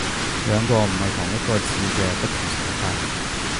兩個唔係同一個字嘅不同寫法